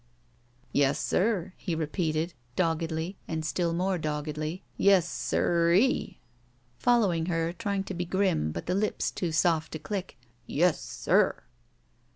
"Yes, sir," he repeated, doggedly and still more doggedly. "Yes, siree!" Following her, trying to be grim, but his hps too soft to cUck. "Yes — sir!"